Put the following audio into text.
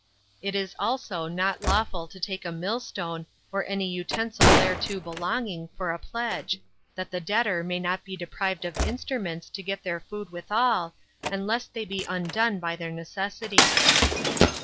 It is also not lawful to take a millstone, nor any utensil thereto belonging, for a pledge, that the debtor, may not be deprived of instruments to get their food withal, and lest they be undone by their necessity.